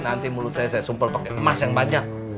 nanti mulut saya saya sumpel pakai emas yang banyak